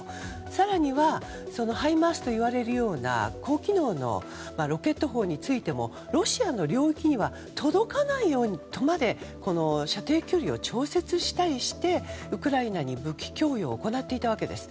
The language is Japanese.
更にはハイマースといわれるような高機能のロケット砲についてもロシアの領域には届かないように射程距離を調節したりしてウクライナに武器供与を行っていたわけです。